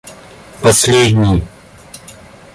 последний